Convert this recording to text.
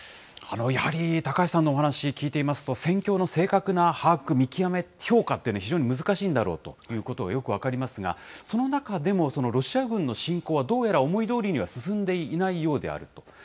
やはり高橋さんのお話聞いていますと、戦況の正確な把握、見極め、評価っていうのは非常に難しいんだろうということがよく分かりますが、その中でもロシア軍の侵攻は、どうやら思いどおりには進んでいないようであると。